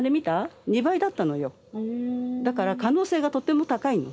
だから可能性がとても高いの。